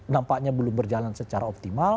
nampaknya belum berjalan secara optimal